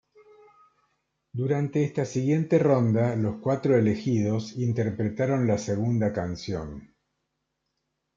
Durante esta siguiente ronda los cuatro elegidos interpretaron la segunda canción.